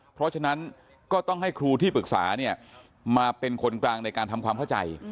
เพราะฉะนั้นก็ต้องให้ครูที่ปรึกษามาเป็นคนกลางในการทำความเข้าใจ